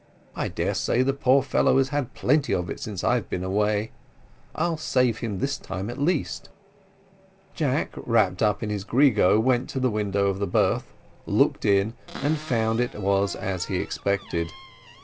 "I dare say the poor fellow had had plenty of it since I have been away; I'll save him this time at least." Jack, wrapped up in his grego, went to the window of the berth, looked in, and found it was as he expected.